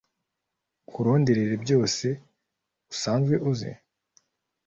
nkurondorere byose usanzwe uzi